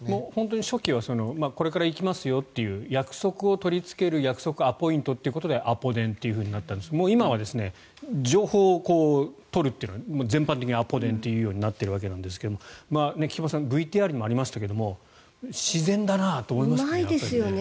初期はこれから行きますよという約束を取りつける約束、アポイントということでアポ電というふうになったんですが今は情報を取るというものを全般的にアポ電と言っているんですが菊間さんＶＴＲにもありましたが自然だなと思いますよね。